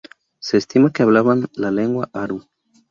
Se estima que hablaban la lengua "aru".